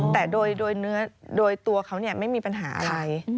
แต่โดยตัวเขาไม่มีปัญหาอะไร